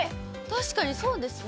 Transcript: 確かにそうですね。